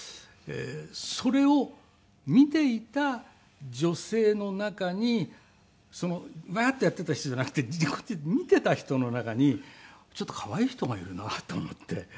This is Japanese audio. それを見ていた女性の中にワーッとやっていた人じゃなくて横で見ていた人の中にちょっと可愛い人がいるなと思って。